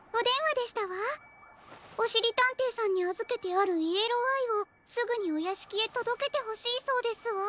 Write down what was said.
おしりたんていさんにあずけてあるイエローアイをすぐにおやしきへとどけてほしいそうですわ。